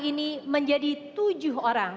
ini menjadi tujuh orang